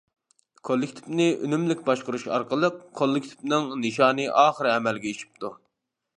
كوللېكتىپنى ئۈنۈملۈك باشقۇرۇش ئارقىلىق، كوللېكتىپنىڭ نىشانى ئاخىرى ئەمەلگە ئېشىپتۇ.